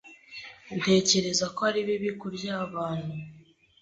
Ntekereza ko ari bibi kurya abantu.